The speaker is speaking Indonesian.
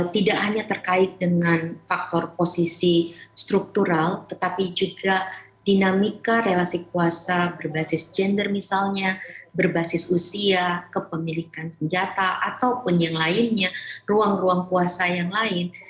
tidak hanya terkait dengan faktor posisi struktural tetapi juga dinamika relasi kuasa berbasis gender misalnya berbasis usia kepemilikan senjata ataupun yang lainnya ruang ruang puasa yang lain